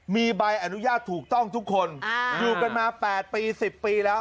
มีใบอนุญาตถูกต้องทุกคนอยู่กันมา๘ปี๑๐ปีแล้ว